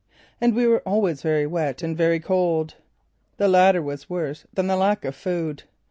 And we were always very wet and very cold. The latter was worse than the lack of food.